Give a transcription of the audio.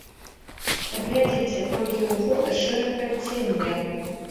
Паглядзіце, колькі ў фота шэрых адценняў!